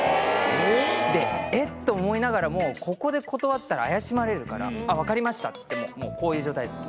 えぇ⁉え？って思いながらもここで断ったら怪しまれるから「分かりました」っつってもうこういう状態です。